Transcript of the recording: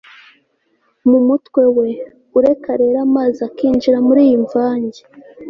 mu mutwe we. ureka rero amazi akinjira muriyi mvange